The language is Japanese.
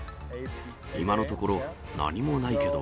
今のところ、何もないけど。